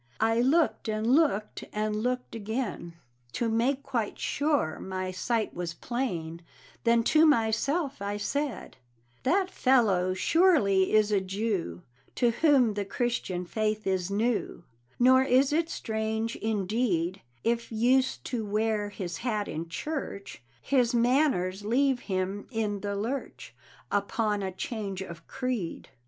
I looked and looked, and looked again, To make quite sure my sight was plain, Then to myself I said: That fellow surely is a Jew, To whom the Christian faith is new, Nor is it strange, indeed, If used to wear his hat in church, His manners leave him in the lurch Upon a change of creed.